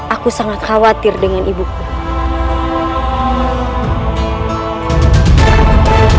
aku sangat khawatir dengan ibuku